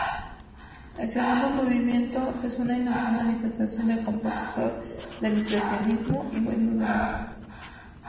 El segundo movimiento es una inusual manifestación del compositor del impresionismo, y muy moderado.